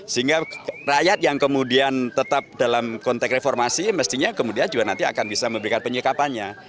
sehingga rakyat yang kemudian tetap dalam konteks reformasi mestinya kemudian juga nanti akan bisa memberikan penyekapannya